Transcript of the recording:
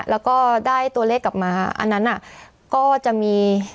แล้วก็ได้ตัวเลขกลับมาอันนั้นก็จะมี